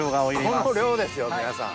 この量ですよ皆さん。